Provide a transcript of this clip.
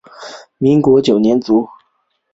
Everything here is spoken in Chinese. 民国九年卒。